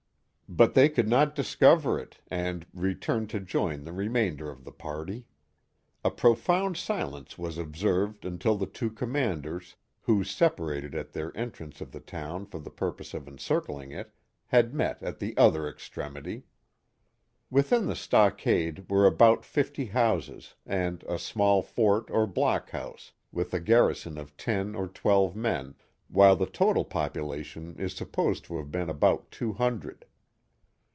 But they could not discover it, and returned to join the remainder of the party. A profound silence was observed until the two commanders, who separated at their entrance of the town for the purpose of encircling it, had met at the other extremity. Within the stockade were about fifty houses, and a small fort or block house with a garrison of ten or twelve men, while the total population is supposed to have been about two hun dred.